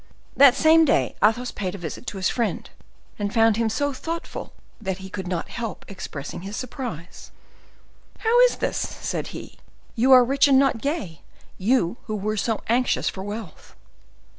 That same day Athos paid a visit to his friend and found him so thoughtful that he could not help expressing his surprise. "How is this?" said he, "you are rich and not gay—you, who were so anxious for wealth!"